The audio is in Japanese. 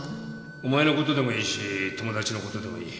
お前のことでもいいし友達のことでもいい